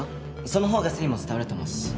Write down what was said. そのほうが誠意も伝わると思うし。